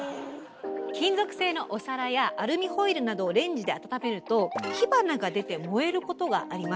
金属製のお皿やアルミホイルなどをレンジであっためると火花が出て燃えることがあります。